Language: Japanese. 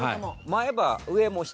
前歯上も下も。